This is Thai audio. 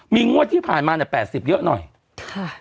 มีงวดที่ผ่านมาเนี่ยแปดสิบเยอะหน่อยค่ะ